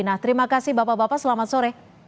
nah terima kasih bapak bapak selamat sore